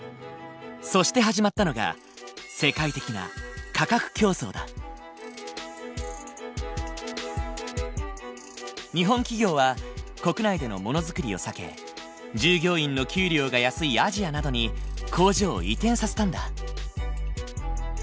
そして始まったのが世界的な日本企業は国内でのものづくりを避け従業員の給料が安いアジアなどに工場を移転させたんだ。